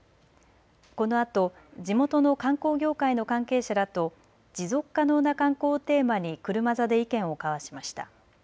このあと地元の観光業界の関係者らと持続可能な観光をテーマに車座で意見を交わしました。